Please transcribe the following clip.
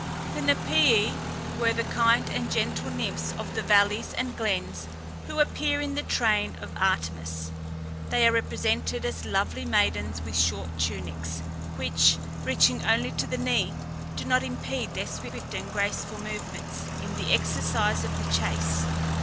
The Napææ were the kind and gentle nymphs of the valleys and glens who appear in the train of Artemis. They are represented as lovely maidens with short tunics, which, reaching only to the knee, do not impede their swift and graceful movements in the exercise of the chase.